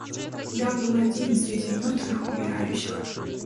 Я был один среди мертвых и умирающих.